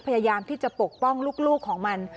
พยายามที่จะปกป้องลูกของมัน